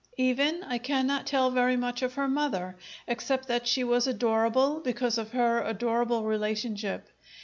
Even, I cannot tell very much of her mother, except that she was adorable because of her adorable relationship.